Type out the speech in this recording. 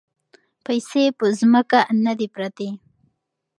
پیسې په ځمکه نه دي پرتې.